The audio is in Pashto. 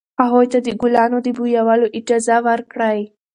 هغوی ته د ګلانو د بویولو اجازه ورکړئ.